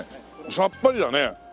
さっぱりだね。